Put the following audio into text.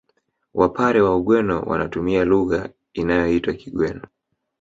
Wapare wa Ugweno wanatumia lugha inayoitwa Kigweno